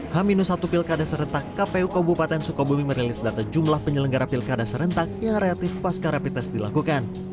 h satu pilkada serentak kpu kabupaten sukabumi merilis data jumlah penyelenggara pilkada serentak yang reaktif pasca rapid test dilakukan